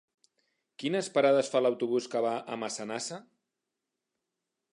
Quines parades fa l'autobús que va a Massanassa?